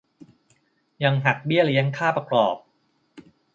ยังหักเบี้ยเลี้ยงค่าประกอบ